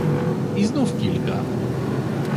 I znów kilka.